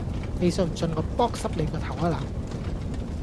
你信唔信我扑濕你個頭呀嗱